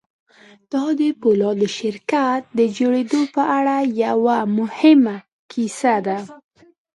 دا د پولادو شرکت د جوړېدو په اړه یوه مهمه کیسه ده